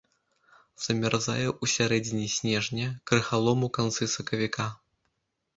Замярзае ў сярэдзіне снежня, крыгалом у канцы сакавіка.